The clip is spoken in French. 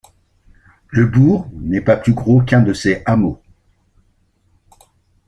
Le bourg n'est pas plus gros qu'un de ces hameaux.